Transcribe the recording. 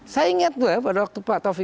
saya inget loh ya pada waktu pak tovi